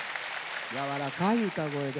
やわらかい歌声で。